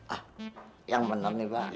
ah yang benar nih pak